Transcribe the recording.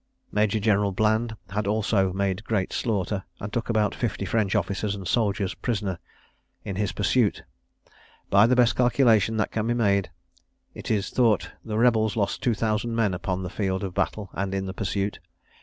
Major General Bland had also made great slaughter, and took about fifty French officers and soldiers prisoners in his pursuit. By the best calculation that can be made, it is thought the rebels lost two thousand men upon the field of battle and in the pursuit.